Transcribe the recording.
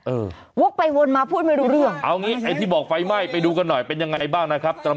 วกไปวนมาพูดไม่รู้เรื่องเอางี้ไอ้ที่บอกไฟไหม้ไปดูกันหน่อยเป็นยังไงบ้างนะครับ